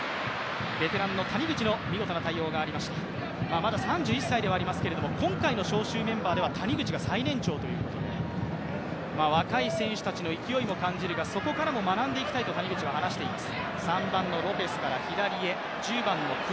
まだ３１歳ではありますけれども、今回の招集メンバーでは谷口が最年長ということで若い選手たちの勢いも感じるがそこからも学んでいきたいと谷口は話しています。